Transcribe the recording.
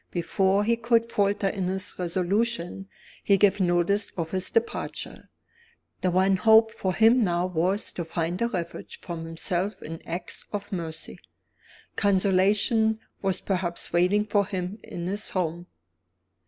Before he could falter in his resolution, he gave notice of his departure. The one hope for him now was to find a refuge from himself in acts of mercy. Consolation was perhaps waiting for him in his Home.